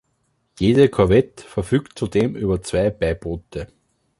Jede Korvette verfügt zudem über zwei Beiboote.